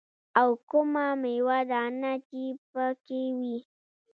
او کومه ميوه دانه چې پکښې وي.